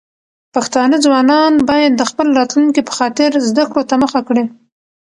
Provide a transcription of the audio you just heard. پښتانه ځوانان بايد د خپل راتلونکي په خاطر زده کړو ته مخه کړي.